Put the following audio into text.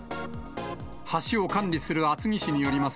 橋を管理する厚木市によります